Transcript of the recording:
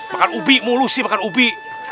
makan ubi mau lu sih makan ubi